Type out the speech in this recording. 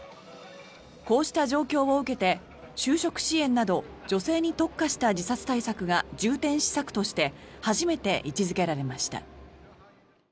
こうした状況を受けて就職支援など女性に特化した自殺対策が重点施策として初めて位置付けられました。